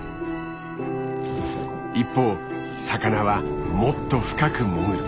一方魚はもっと深く潜る。